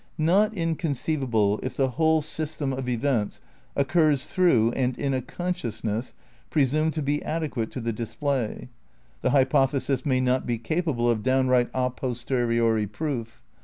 Not inconceivable if the whole system of events oc curs through and in a consciousness presumed to be adequate to the display. The hypothesis may not be capable of downright a posteriori proof.